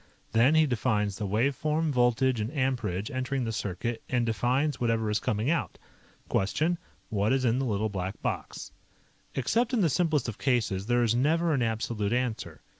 Then he defines the wave form, voltage, and amperage entering the circuit and defines whatever is coming out. Question: What is in the Little Black Box? Except in the simplest of cases, there is never an absolute answer.